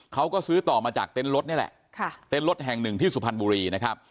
เขาก็ซื้อต่อมาจากเต็นต์รถนี่แหละค่ะเต้นรถแห่งหนึ่งที่สุพรรณบุรีนะครับ